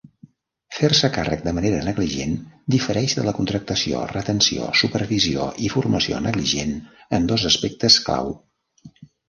Fer-se càrrec de manera negligent difereix de la contractació, retenció, supervisió i formació negligent en dos aspectes clau.